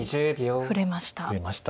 振れました。